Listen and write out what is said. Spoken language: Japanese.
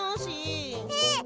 えっ！？